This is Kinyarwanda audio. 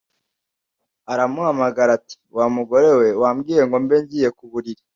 aramuhamagara ati Wa mugore we wambwiye ngo mbe ngiye ku buriri,